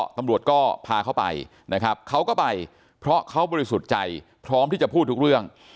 ตำรวจก็พาเขาไปนะครับเขาก็ไปเพราะเขาบริสุทธิ์ใจพร้อมที่จะพูดทุกเรื่อง